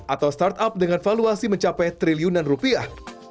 atau startup dengan valuasi mencapai triliunan rupiah